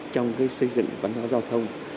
trong cái xây dựng văn hóa giao thông